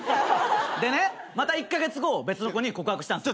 でねまた１カ月後別の子に告白したんすよ。